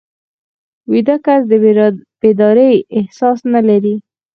ویده کس د بیدارۍ احساس نه لري